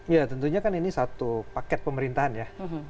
ya tentunya kan ini satu paket pemerintahan ya